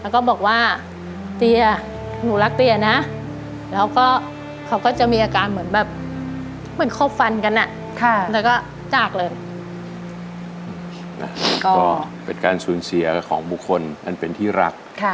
ค่ะแล้วเนาะเป็นการสูญเสียแบบของบุคคลก็เป็นแห่งที่รัก